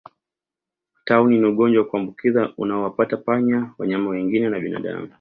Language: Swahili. Tauni ni ugonjwa wa kuambukiza unaowapata panya wanyama wengine na binadamu